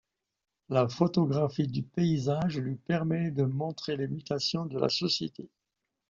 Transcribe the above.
La photographie du paysage lui permet de montrer les mutations de la société.